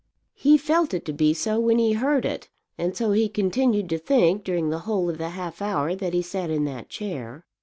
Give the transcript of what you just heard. He felt it to be so when he heard it, and so he continued to think during the whole of the half hour that he sat in that chair.